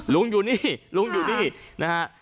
ลุงอยู่นี่ลุงอยู่นี่นะฮะ